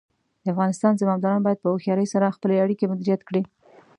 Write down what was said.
د افغانستان زمامداران باید په هوښیارۍ سره خپلې اړیکې مدیریت کړي.